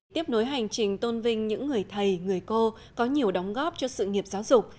tiếp nối hành trình tôn vinh những người thầy người cô có nhiều đóng góp cho sự nghiệp giáo dục